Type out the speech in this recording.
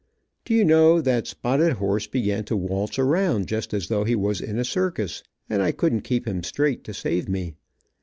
Do you know, that spotted horse began to waltz around just as though he was in a circus, and I couldn't keep him straight to save me.